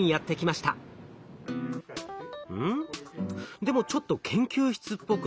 でもちょっと研究室っぽくない。